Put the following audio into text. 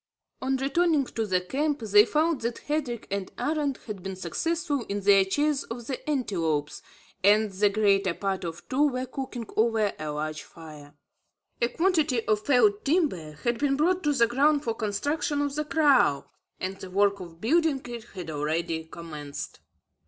On returning to the camp, they found that Hendrik and Arend had been successful in their chase of the antelopes, and the greater part of two were cooking over a large fire. A quantity of felled timber had been brought to the ground for construction of the kraal, and the work of building it had already commenced.